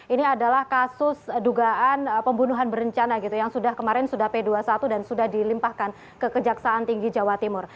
ini adalah kasus dugaan pembunuhan berencana gitu yang sudah kemarin sudah p dua puluh satu dan sudah dilimpahkan ke kejaksaan tinggi jawa timur